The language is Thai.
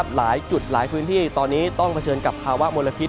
หลายจุดหลายพื้นที่ตอนนี้ต้องเผชิญกับภาวะมลพิษ